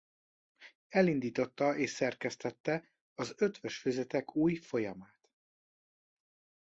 Elindította és szerkesztette az Eötvös-füzetek új folyamát.